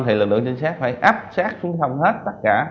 thì lực lượng trinh sát phải áp sát xuống sông hết tất cả